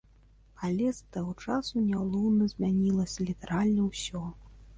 Але з таго часу няўлоўна змянілася літаральна ўсё.